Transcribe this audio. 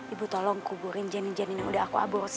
ibu tolong kuburin janin janin yang udah aku aborsi